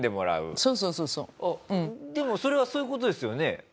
でもそれはそういう事ですよね？